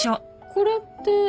これって。